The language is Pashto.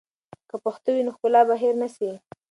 که پښتو وي، نو ښکلا به هېر نه سي.